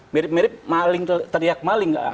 mirip mirip teriak maling